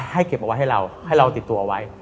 เก็บเอาไว้ให้เราให้เราติดตัวไว้